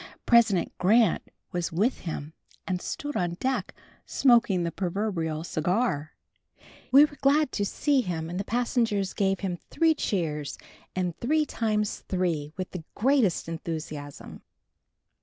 President Grant was with him and stood on deck, smoking the proverbial cigar. We were glad to see him and the passengers gave him three cheers and three times three, with the greatest enthusiasm.